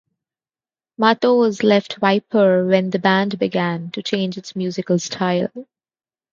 Matos left Viper when the band began to change its musical style.